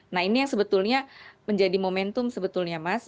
nah ini yang sebetulnya menjadi momentum sebetulnya mas